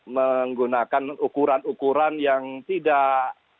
menggunakan ukuran ukuran yang tidak